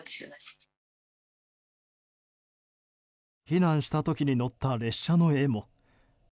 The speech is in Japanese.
避難した時に乗った列車の絵も。